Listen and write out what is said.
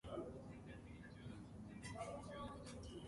Therefore, there are six Aldermen in Vinita Park.